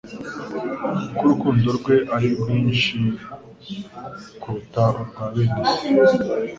ko urukundo rwe ari rwinshi kunlta urwa bene se.